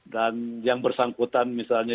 dan yang bersangkutan misalnya